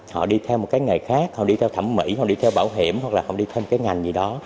họ đi theo một cái nghề khác họ đi theo thẩm mỹ họ đi theo bảo hiểm hoặc là họ đi theo một cái ngành gì đó